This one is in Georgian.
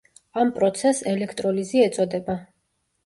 ამ პროცესს ელექტროლიზი ეწოდება.